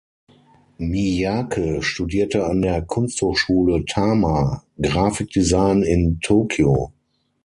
Miyake studierte an der Kunsthochschule Tama Grafik-Design in Tokio.